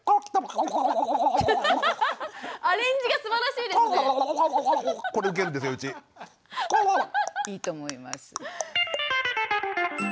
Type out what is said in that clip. いいと思います。